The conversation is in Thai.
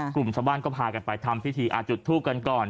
กลุ่มชาวบ้านก็พากันไปทำพิธีจุดทูปกันก่อน